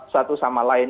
satu sama lain